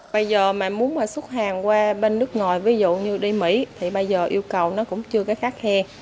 bây giờ mà muốn xuất hàng qua bên nước ngoài ví dụ như đi mỹ thì bây giờ yêu cầu nó cũng chưa có khác he